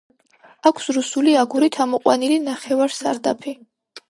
აქვს „რუსული“ აგურით ამოყვანილი ნახევარსარდაფი.